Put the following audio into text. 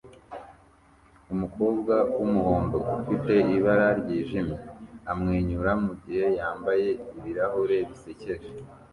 Umukobwa wumuhondo ufite ibara ryijimye amwenyura mugihe yambaye ibirahure bisekeje